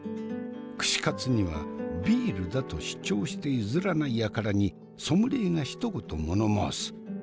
串カツにはビールだと主張して譲らないやからにソムリエがひと言物申す。